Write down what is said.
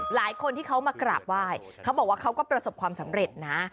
หลายคนที่เขามากราบไหว้เขาบอกว่าเขาก็ประสบความสำเร็จนะ